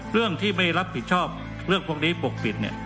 เรื่องที่ไม่รับผิดชอบเรื่องพวกนี้ปกปิดเนี่ย